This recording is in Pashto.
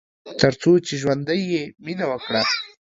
تر څو چې ژوندی يې ، مينه وکړه